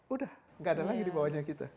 udah gak ada lagi dibawanya kita